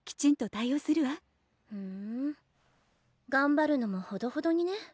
ふん頑張るのもほどほどにね。